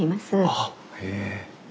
あっへえ。